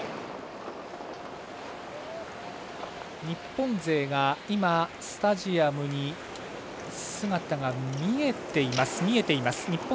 日本勢が今スタジアムに姿が見えています。